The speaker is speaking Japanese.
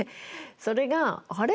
それがあれ？